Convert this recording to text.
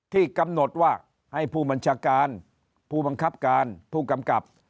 ที่กำหนดว่าให้ผู้บัญชาการผู้บังคับการผู้กำกับ